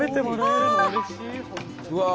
うわ！